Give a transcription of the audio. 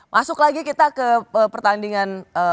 masuk lagi kita ke pertandingan